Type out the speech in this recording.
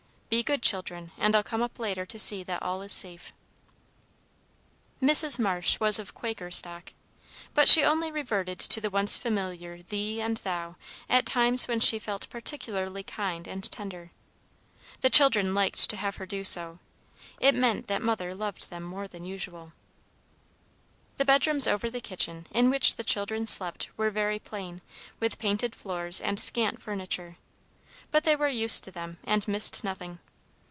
Be good children, and I'll come up later to see that all is safe." Mrs. Marsh was of Quaker stock, but she only reverted to the once familiar thee and thou at times when she felt particularly kind and tender. The children liked to have her do so. It meant that mother loved them more than usual. The bedrooms over the kitchen, in which the children slept, were very plain, with painted floors and scant furniture; but they were used to them, and missed nothing.